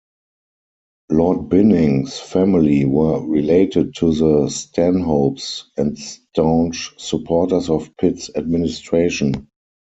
Lord Binning's family were related to the Stanhopes and staunch supporters of Pitt's administration.